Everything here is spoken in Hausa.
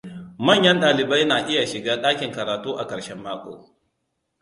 Manyan dalibai na iya shiga dakin karatu a karshen mako.